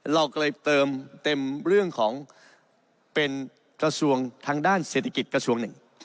เราก็เลยเติมเต็มเรื่องของเป็นกระทรวงทางด้านเศรษฐกิจกระทรวงหนึ่ง